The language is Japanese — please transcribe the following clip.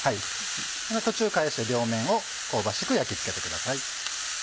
途中返して両面を香ばしく焼き付けてください。